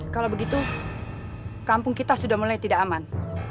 kalau begitu kampung kita sudah mulai tidak aman